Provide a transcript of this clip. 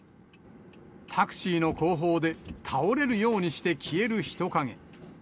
タクシーの後方で倒れるようにして消える人影。